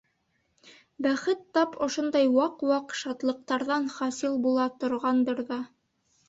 Бәхет тап ошондай ваҡ-ваҡ шатлыҡтарҙан хасил була торғандыр ҙа.